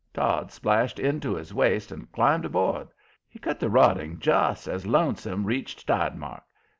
Todd splashed in to his waist and climbed aboard. He cut the roding just as Lonesome reached tide mark.